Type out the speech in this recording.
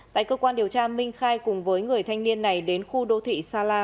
tại cơ quan điều tra minh khai cùng với người thanh niên này đến khu đô thị sa la